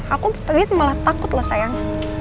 aku tadi malah takut loh sayang